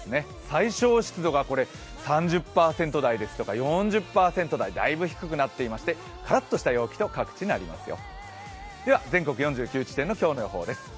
最小湿度が３０％台とか４０％台とだいぶ低くなっていまして各地カラッとした天気になりますよ。